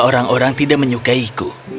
orang orang tidak menyukaiku